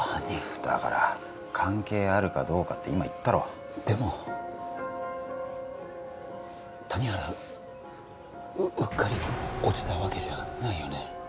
だから関係あるかどうかって今言ったろでも谷原うっかり落ちたわけじゃないよね？